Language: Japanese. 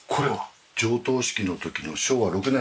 上棟式の時の昭和６年の。